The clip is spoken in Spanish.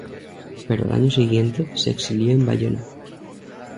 Pero al año siguiente se exilió en Bayona.